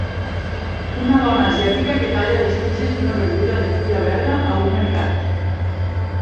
Una dona asiàtica que talla les tiges d'una verdura de fulla verda a un mercat.